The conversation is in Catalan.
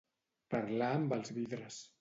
Parlar amb els vidres.